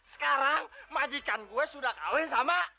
sekarang majikan gue sudah kawin sama